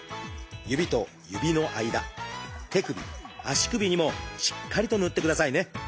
指と指の間手首足首にもしっかりと塗ってくださいね。